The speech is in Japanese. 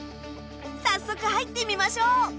早速入ってみましょう。